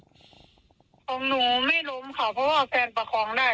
ของหนูไม่ล้มค่ะเพราะว่าแฟนประคองได้